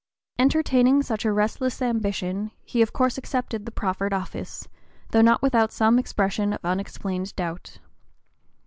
Entertaining such a restless ambition, he of course accepted the proffered office, though not without some expression of unexplained doubt.